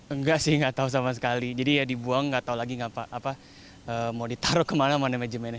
enggak sih nggak tahu sama sekali jadi ya dibuang nggak tahu lagi mau ditaruh kemana mana